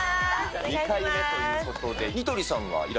２回目ということで、ニトリ